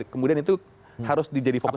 kemudian itu harus di jadi fokus kpk